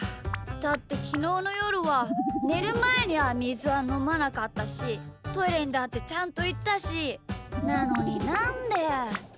だってきのうのよるはねるまえにはみずはのまなかったしトイレにだってちゃんといったしなのになんで。